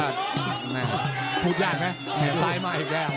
อีกแหล่งไหมแหล่งซ้ายมาอีกแหล่ง